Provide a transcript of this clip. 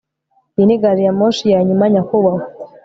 Iyi ni gari ya moshi yanyuma nyakubahwa